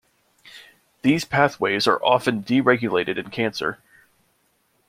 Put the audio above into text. These pathways are often deregulated in cancer.